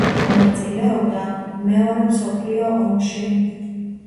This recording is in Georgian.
მონაწილეობდა მეორე მსოფლიო ომში.